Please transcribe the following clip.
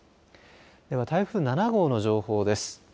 では台風７号の情報です。